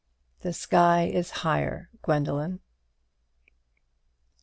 The sky is higher, Gwendoline."